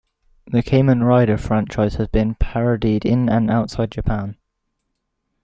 The Kamen Rider franchise has been parodied in and outside Japan.